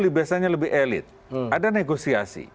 biasanya lebih elit ada negosiasi